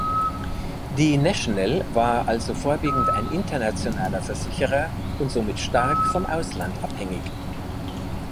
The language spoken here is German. Die National war also vorwiegend ein internationaler Versicherer und somit stark vom Ausland abhängig.